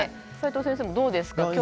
齋藤先生もどうですか。